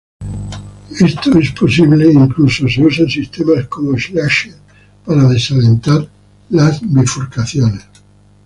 Esto es posible incluso se usan sistemas como Slasher para desalentar las bifurcaciones.